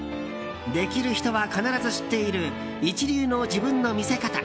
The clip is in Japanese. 「できる人は必ず知っている一流の自分の魅せ方」。